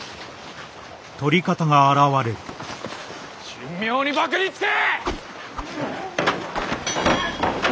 神妙に縛につけ！